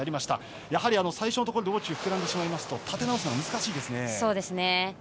やはり最初のところで大きく膨らんでしまうと立て直すのが難しいですね。